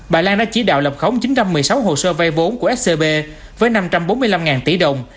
bà lan đã chỉ đạo lập khống chín trăm một mươi sáu hồ sơ vay vốn của scb với năm trăm bốn mươi năm tỷ đồng